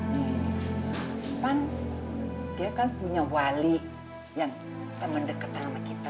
nih kan dia kan punya wali yang mendekatan sama kita